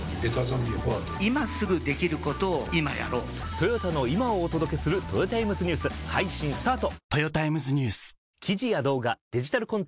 トヨタの今をお届けするトヨタイムズニュース配信スタート！！！